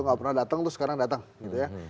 nggak pernah datang terus sekarang datang gitu ya